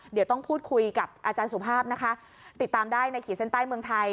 เดี๋ยวต้องพูดคุยกับอาจารย์สุภาพนะคะติดตามได้ในขีดเส้นใต้เมืองไทย